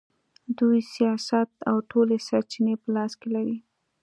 دوی سیاست او ټولې سرچینې په لاس کې لري.